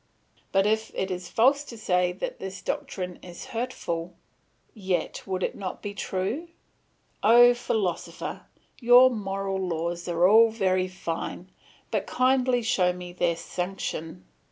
But it is false to say that this doctrine is hurtful; yet it would not be true. O Philosopher, your moral laws are all very fine; but kindly show me their sanction.